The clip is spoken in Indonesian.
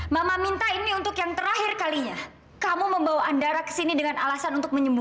sampai jumpa di video selanjutnya